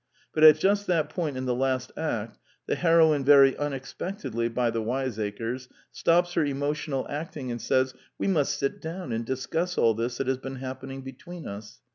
But at just that point in the last act, the heroine very unexpectedly (by the wiseacres) stops her emotional acting and says :" We must sit down and discuss all this that has been happening between us."